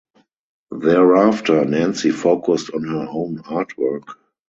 Thereafter Nancy focused on her own artwork.